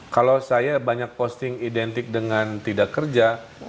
kalau saya banyak posting identik dengan tidak kerja